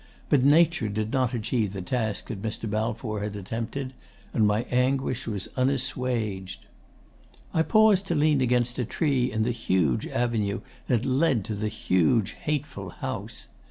But Nature did not achieve the task that Mr. Balfour had attempted; and my anguish was unassuaged. 'I paused to lean against a tree in the huge avenue that led to the huge hateful house.